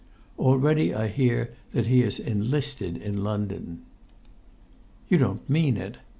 Already I hear that he has enlisted in London." [Pg 86]"You don't mean it!